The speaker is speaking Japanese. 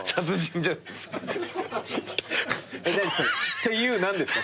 っていう何ですか？